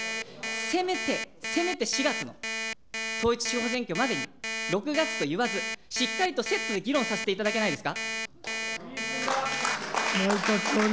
せめて、せめて４月の統一地方選挙までに、６月といわず、しっかりとセットで議論させていただけないですか。